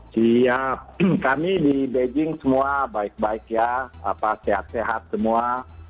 siap kami di beijing semua baik baik ya sehat sehat semua